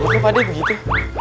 lu kok pada begitu